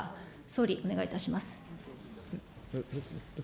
総理、お願いいたします。